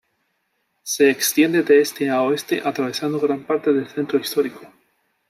Se extiende de este a oeste atravesando gran parte del centro histórico.